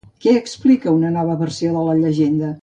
Què explica una nova versió de la llegenda?